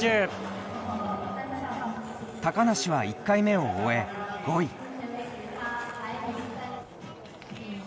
高梨は１回目を終え５位。